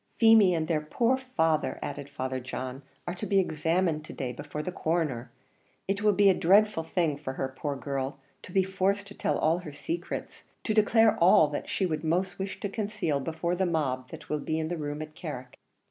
"Feemy and their poor father," added Father John, "are to be examined to day before the Coroner; it will be a dreadful thing for her, poor girl! to be forced to tell all her secrets, to declare all that she would most wish to conceal before the mob that will be in the room at Carrick."